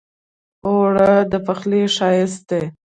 اوړه د پخلي ښايست دی